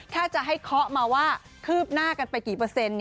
ถ้าจะให้เคาะมาว่าคืบหน้ากันไปกี่เปอร์เซ็นต์